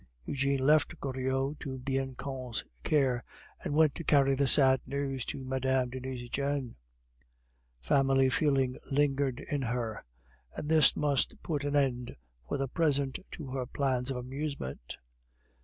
Eugene left Goriot to Bianchon's care, and went to carry the sad news to Mme. de Nucingen. Family feeling lingered in her, and this must put an end for the present to her plans of amusement.